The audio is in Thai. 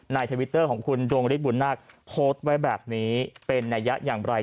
ทวิตเตอร์ของคุณดวงฤทธบุญนาคโพสต์ไว้แบบนี้เป็นนัยยะอย่างไร